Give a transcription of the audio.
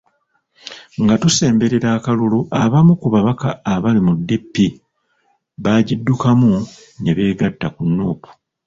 Nga tusemberera akalulu abamu ku babaka abaali mu DP baagiddukamu ne beegatta Nuupu.